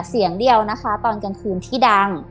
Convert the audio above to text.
เสียงเดียวนะคะตอนกลางคืนที่ดัง